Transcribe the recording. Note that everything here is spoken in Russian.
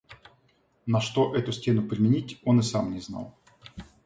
На что эту стену применить, он и сам не знал.